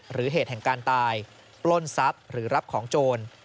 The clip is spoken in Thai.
เหตุแห่งการตายปล้นทรัพย์หรือรับของโจร